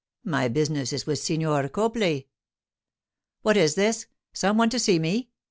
'My business is with Signor Copley.' 'What is this? Some one to see me?